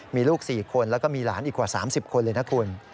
มีลูก๔คนแล้วก็มีหลานอีกกว่า๓๐คนเลยนะคุณ